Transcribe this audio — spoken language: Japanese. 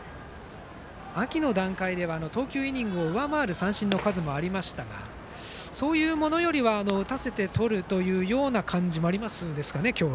秋の段階では投球イニングを上回る三振の数もありましたがそういうものよりは打たせてとるというような感じもありますでしょうか。